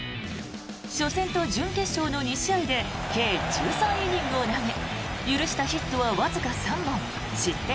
初戦と準決勝の２試合で計１３イニングを投げ許したヒットはわずか３本失点